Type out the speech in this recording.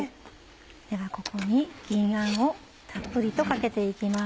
ではここに銀あんをたっぷりとかけて行きます。